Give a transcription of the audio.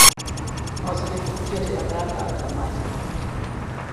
Außerdem kopierte er Werke Alter Meister.